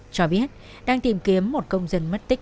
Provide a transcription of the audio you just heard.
cho biết đang tìm kiếm một công dân mất tích